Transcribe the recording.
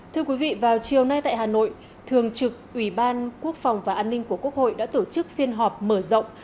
thưa quý vị vào chiều nay tại hà nội thường trực ủy ban quốc phòng và an ninh của quốc hội đã tổ chức phiên họp mở rộng